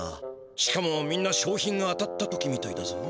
しかもみんなしょう品が当たった時みたいだぞ。